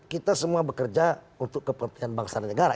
kita semua bekerja untuk kepentingan bangsa dan negara